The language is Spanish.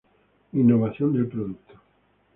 Innovación del producto.